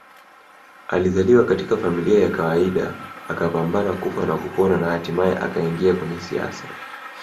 Alizaliwa katika familia ya kawaida akapambana kufa na kupona na hatimaye akaingia kwenye siasa